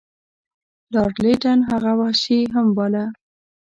لارډ لیټن هغه وحشي هم باله.